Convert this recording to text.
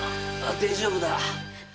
大丈夫だ。